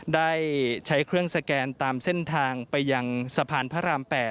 ได้ใช้เครื่องสแกนตามเส้นทางไปยังสะพานพระราม๘